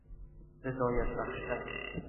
رضایت بخشتر